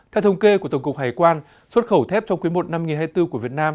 theo thống kê của tổng cục hải quan xuất khẩu thép trong quý i năm hai nghìn hai mươi bốn của việt nam